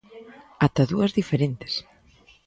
Ata dúas diferentes.